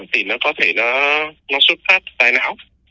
thì nó có thể nó xuất phát tại não